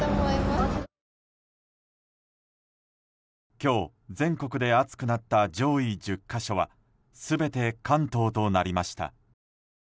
今日、全国で暑くなった上位１０か所は全て関東となりました。